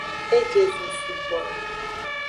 E je zo sugbo.